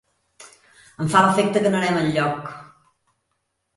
Em fa l'efecte que no anem enlloc.